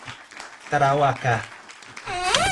Tarauacá